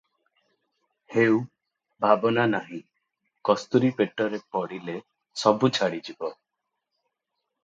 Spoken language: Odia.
ହେଉ, ଭାବନା ନାହିଁ, କସ୍ତୁରୀ ପେଟରେ ପଡ଼ିଲେ ସବୁ ଛାଡ଼ିଯିବ ।"